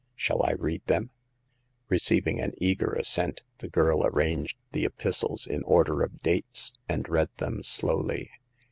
Shall I read them ?" Receiving an eager assent, the girl arranged the epistles in order of dates, and read them slowly.